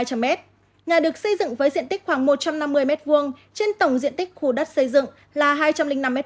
nhà được xây dựng với diện tích khoảng một trăm năm mươi m hai trên tổng diện tích khu đất xây dựng là hai trăm linh năm m hai